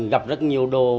gặp rất nhiều đồ